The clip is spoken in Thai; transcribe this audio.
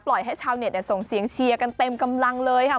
ให้ชาวเน็ตส่งเสียงเชียร์กันเต็มกำลังเลยค่ะ